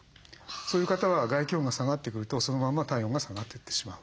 そういう方は外気温が下がってくるとそのまま体温が下がってってしまう。